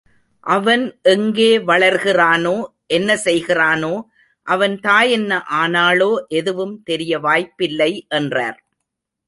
அவன் எங்கே வளர்கிறானோ என்ன செய்கிறானோ அவன் தாய் என்ன ஆனாளோ எதுவும் தெரிய வாய்ப்பில்லை என்றார்.